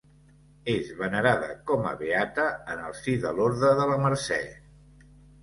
És venerada com a beata en el si de l'Orde de la Mercè.